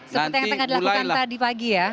seperti yang tengah dilakukan tadi pagi ya